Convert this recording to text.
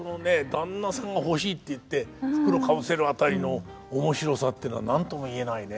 「旦那さんが欲しい」って言って袋かぶせる辺りの面白さっていうのは何とも言えないね。